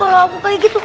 aku kayak gitu